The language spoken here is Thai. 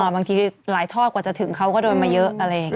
บางทีหลายทอดกว่าจะถึงเขาก็โดนมาเยอะอะไรอย่างนี้